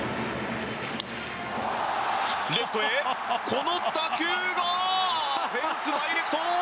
この打球がフェンスダイレクト！